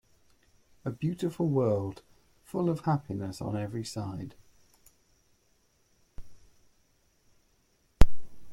A beautiful world, full of happiness on every side.